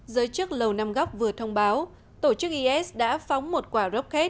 giới chức lầu năm góc vừa thông báo tổ chức is đã phóng một quả rocket